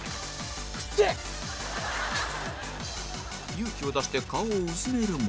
勇気を出して顔をうずめるも